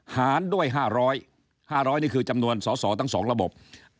หารด้วย๕๐๐นี่คือจำนวนสอโสตังสองระบบ